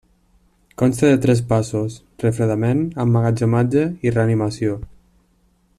Consta de tres passos: refredament, emmagatzematge, i reanimació.